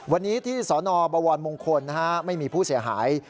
วันนี้ที่สนบวรมงคลไม่มีผู้เสียหาย